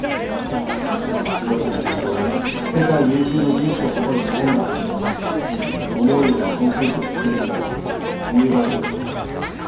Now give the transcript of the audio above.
自動車の製造で世界有数の技術を誇る日本が思うように航空機を作れんのには理由があるとですよね。